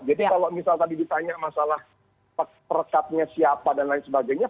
jadi kalau misalnya tadi ditanya masalah perkatnya siapa dan lain sebagainya